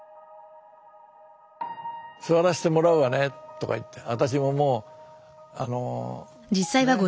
「座らせてもらうわね」とか言って。